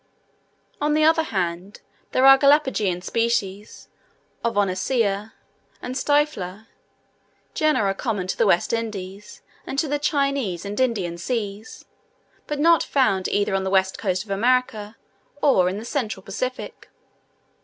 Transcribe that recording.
On the other hand, there are Galapageian species of Oniscia and Stylifer, genera common to the West Indies and to the Chinese and Indian seas, but not found either on the west coast of America or in the central Pacific.